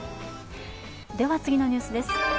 では次のニュースです